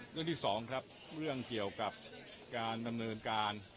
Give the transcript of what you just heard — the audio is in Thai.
เรื่องที่สองครับเรื่องเกี่ยวกับการดำเนินการ